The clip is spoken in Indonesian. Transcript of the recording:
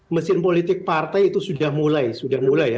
mesin politik partai itu sudah mulai sudah mulai ya